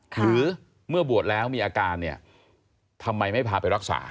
หรือเมื่อบวชแล้วมีอาการเนี่ยทำไมไม่พาไปรักษา